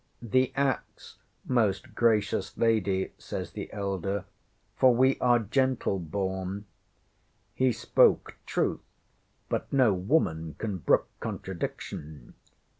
ŌĆØ ŌĆśŌĆ£The axe, most gracious lady, ŌĆØ says the elder, ŌĆ£for we are gentle born. ŌĆØ He spoke truth, but no woman can brook contradiction.